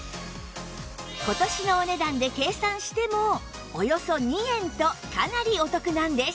今年のお値段で計算してもおよそ２円とかなりお得なんです